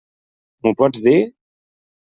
M'ho pots dir?